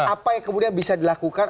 apa yang kemudian bisa dilakukan